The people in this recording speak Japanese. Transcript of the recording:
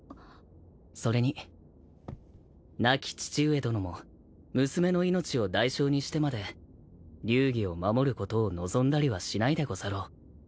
それに亡き父上殿も娘の命を代償にしてまで流儀を守ることを望んだりはしないでござろう。